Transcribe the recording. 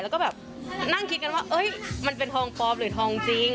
แล้วก็แบบนั่งคิดกันว่ามันเป็นทองปลอมหรือทองจริง